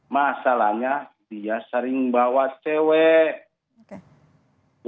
masalahnya dia sering bawa cewek